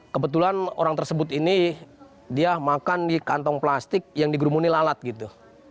kebetulan orang tersebut ini dia makan di kantong plastik yang digerumuni lalat gitu